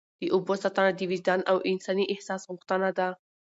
د اوبو ساتنه د وجدان او انساني احساس غوښتنه ده.